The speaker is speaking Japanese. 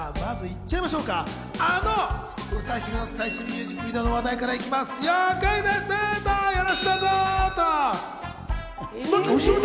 まず行っちゃいましょうか、あの歌姫の最新のミュージックビデオの話題から行きますよ。